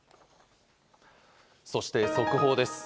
そして速報です。